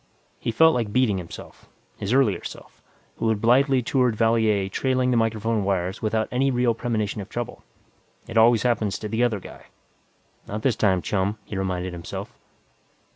He felt like beating himself. His earlier self, who had blithely toured Valier trailing the microphone wires without any real premonition of trouble. It always happens to the other guy Not this time, chum, he reminded himself.